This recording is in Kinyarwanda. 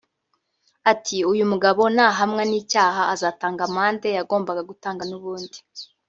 Ati “Uyu mugabo nahamwa n’icyaha azatanga amande yagombaga gutanga n’ubundi